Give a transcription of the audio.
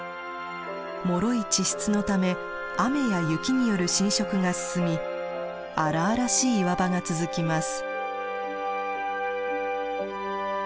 もろい地質のため雨や雪による浸食が進み荒々しい岩場が続きます。